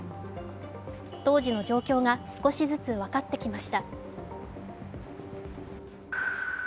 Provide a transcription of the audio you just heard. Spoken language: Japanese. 当時の状況が少しずつ分かってきました。